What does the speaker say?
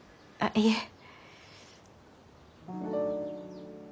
あいえ。